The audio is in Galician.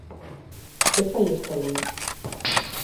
¿Que fai esta lei?